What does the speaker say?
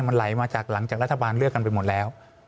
มันไหลมาจากหลังจากรัฐบาลเลือกกันไปหมดแล้ว